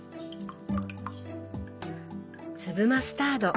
粒マスタード。